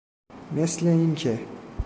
مثل اینکه